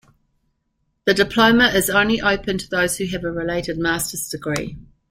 The diploma is only open to those who have a related Master's degree.